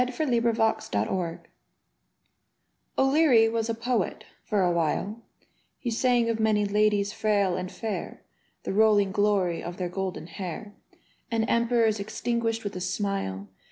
E90| SHADRACH O'LEARY O'Leary was a poet — ^for a while: He sang of many ladies frail and fair. The rolling glory of their golden hair, And emperors extinguished with a smile.